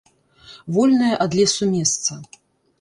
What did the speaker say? Вольнае ад лесу месца.